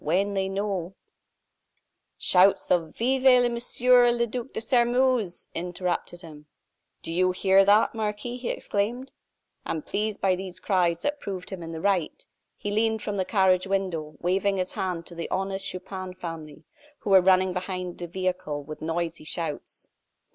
"When they know " Shouts of "Vive Monsieur le Duc de Sairmeuse!" interrupted him. "Do you hear that, Marquis?" he exclaimed. And pleased by these cries that proved him in the right, he leaned from the carriage window, waving his hand to the honest Chupin family, who were running after the vehicle with noisy shouts.